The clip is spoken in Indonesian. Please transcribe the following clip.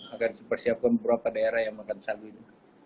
akan saya persiapkan beberapa daerah yang makan sagu ini